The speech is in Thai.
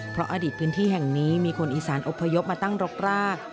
เพราะอดีตพื้นที่แห่งนี้มีคนอีสานอพยพมาตั้งรกราก